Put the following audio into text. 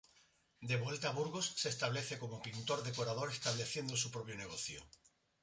De vuelta a Burgos se establece como pintor-decorador estableciendo su propio negocio.